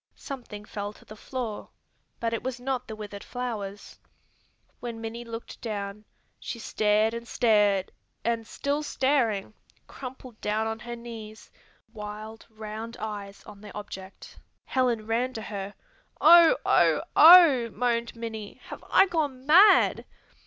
Something fell to the floor, but it was not the withered flowers. When Minnie looked down, she stared and stared and, still staring, crumpled down on her knees, wild, round eyes on the object. Helen ran to her. "Oh, oh, oh," moaned Minnie, "have I gone mad?"